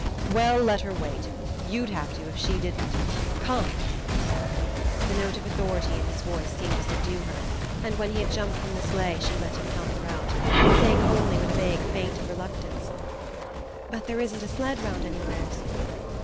"Well, let her wait. You'd have to if she didn't. Come!" The note of authority in his voice seemed to subdue her, and when he had jumped from the sleigh she let him help her out, saying only, with a vague feint of reluctance: "But there isn't a sled round anywheres."